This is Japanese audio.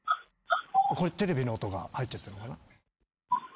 ・これテレビの音が入っちゃってんのかな。